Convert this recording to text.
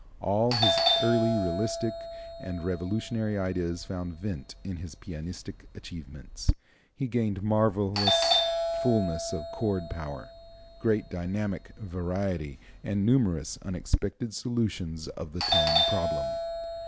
All his early realistic and revolutionary ideas found vent in his pianistic achievements. He gained marvelous fulness of chord power, great dynamic variety, and numerous unexpected solutions of the tone problem.